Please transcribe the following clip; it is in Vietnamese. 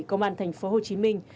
công an thành phố hồ chí minh